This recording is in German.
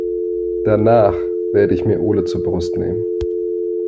Danach werde ich mir Ole zur Brust nehmen.